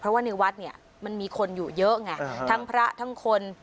เพราะว่าในวัดเนี่ยมันมีคนอยู่เยอะไงทั้งพระทั้งคน